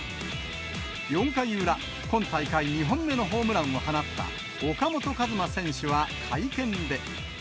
４回裏、今大会２本目のホームランを放った岡本和真選手は会見で。